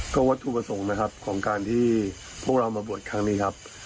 ก็วัตถุประสงค์นะครับของการที่พวกเรามาบวชครั้งนี้ครับ